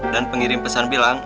dan pengirim pesan bilang